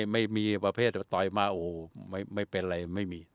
ไม่มีประเภทต่อยมาโอไม่มี